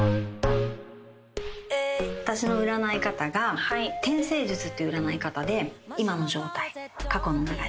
私の占い方が天星術っていう占い方で今の状態過去の流れ